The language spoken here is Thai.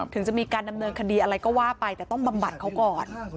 ถึงจะมีการดำเนินคดีอะไรก็ว่าไปแต่ต้องบำบัดเขาก่อน